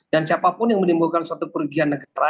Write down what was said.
dan siapapun yang menimbulkan suatu perugihan negara